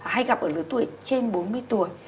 hay gặp ở lứa tuổi trên bốn mươi tuổi